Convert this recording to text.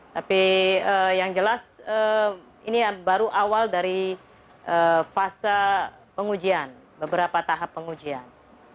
tapi yang jelas ini baru awal dari fase pengujian beberapa tahap pengujian